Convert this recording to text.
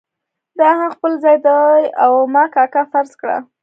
دا هم خپل ځای دی او ما کاکا فرض کړه.